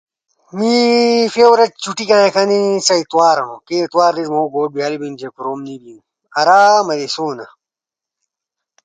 می فیورٹ چٹی کامیک ہنو سی اتوار ہنو، کے اتوار دیس مھو گوٹ بھئیالے بینو جے کوروم نی بینو، آراما ایسونا۔